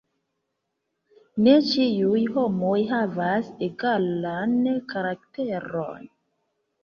Ne ĉiuj homoj havas egalan karakteron!